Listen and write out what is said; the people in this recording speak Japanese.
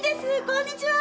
こんにちは。